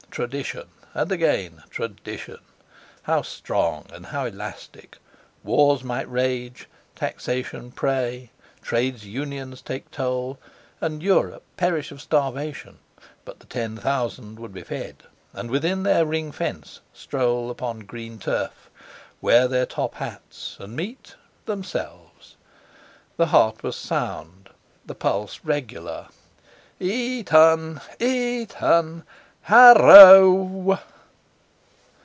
Tradition! And again Tradition! How strong and how elastic! Wars might rage, taxation prey, Trades Unions take toll, and Europe perish of starvation; but the ten thousand would be fed; and, within their ring fence, stroll upon green turf, wear their top hats, and meet—themselves. The heart was sound, the pulse still regular. E ton! E ton! Har r o o o w!